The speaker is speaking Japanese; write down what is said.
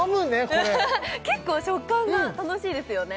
これ結構食感が楽しいですよね